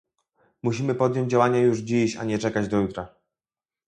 Musimy podjąć działania już dziś, a nie czekać do jutra